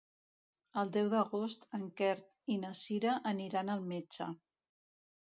El deu d'agost en Quer i na Cira aniran al metge.